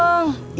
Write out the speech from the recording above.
murni lagi hamil